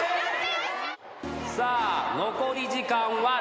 さあ残り時間は６分。